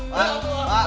kasian saya sama nadia